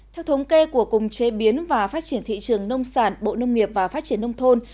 theo thống kê của cùng chế biến và phát triển thị trường nông sản bộ nông nghiệp và phát triển nông thôn